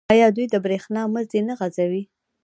آیا دوی د بریښنا مزي نه غځوي؟